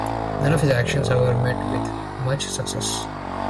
None of his actions, however, met with much success.